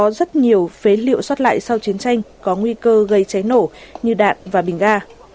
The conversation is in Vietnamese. có rất nhiều phế liệu xót lại sau chiến tranh có nguy cơ gây cháy nổ như đạn và bình ga